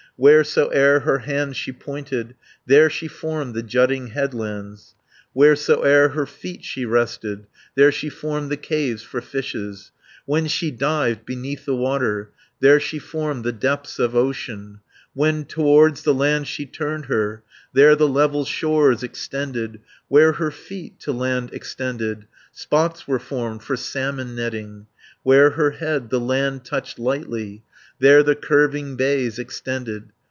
Wheresoe'er her hand she pointed, There she formed the jutting headlands; Wheresoe'er her feet she rested, There she formed the caves for fishes; When she dived beneath the water, There she formed the depths of ocean; When towards the land she turned her, There the level shores extended, 270 Where her feet to land extended, Spots were formed for salmon netting; Where her head the land touched lightly, There the curving bays extended.